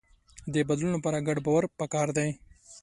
د بدلون لپاره ګډ باور پکار دی.